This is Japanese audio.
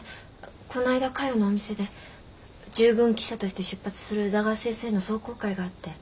この間かよのお店で従軍記者として出発する宇田川先生の壮行会があって。